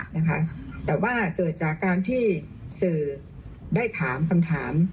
นะคะแต่ว่าเกิดจากการที่สื่อได้ถามคำถาม